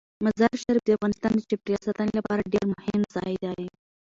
مزارشریف د افغانستان د چاپیریال ساتنې لپاره ډیر مهم ځای دی.